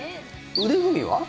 腕組みは？